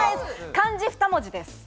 漢字２文字です。